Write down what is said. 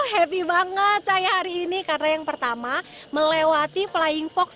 happy banget saya hari ini karena yang pertama melewati flying fox